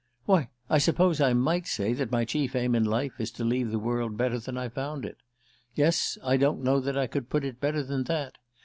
Why, I suppose I might say that my chief aim in life is to leave the world better than I found it. Yes: I don't know that I could put it better than that.